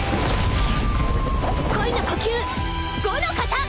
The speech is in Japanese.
恋の呼吸伍ノ型。